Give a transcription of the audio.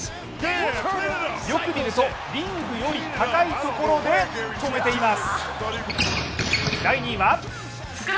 よく見ると、リングより高いところで止めています。